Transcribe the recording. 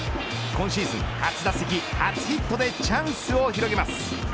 今シーズン初打席初ヒットでチャンスを広げます。